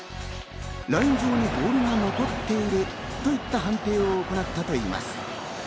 ライン上にボールが残っているといった判定を行ったといいます。